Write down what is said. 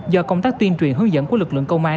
do công tác tuyên truyền hướng dẫn của lực lượng công an